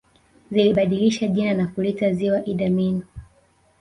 Zilibadilisha jina na kuliita Ziwa Idi Amin